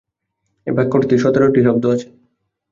এই বাক্যটিতে সতেরটি শব্দ আছে।